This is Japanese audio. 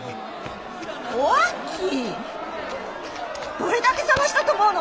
どれだけ捜したと思うの！